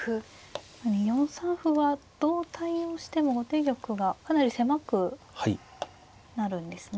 ４三歩はどう対応しても後手玉がかなり狭くなるんですね。